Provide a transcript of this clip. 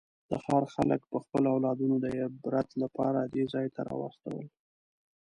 د ښار خلکو به خپل اولادونه د عبرت لپاره دې ځای ته راوستل.